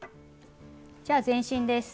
じゃあ前進です。